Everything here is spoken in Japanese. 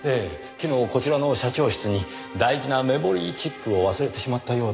昨日こちらの社長室に大事なメモリーチップを忘れてしまったようで。